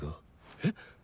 えっ？